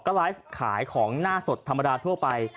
ก็ไลฟ์ขายของหน้าสดธรรมดาทั่วไป